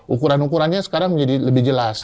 ukuran ukurannya sekarang menjadi lebih jelas